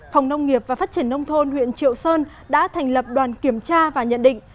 phòng nông nghiệp và phát triển nông thôn huyện triệu sơn đã thành lập đoàn kiểm tra và nhận định